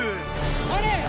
あれ！